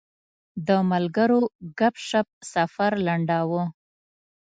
د ملګرو ګپ شپ سفر لنډاوه.